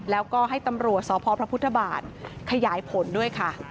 แล้วก็ให้ตำรวจสพพระพุทธบาทขยายผลด้วยค่ะ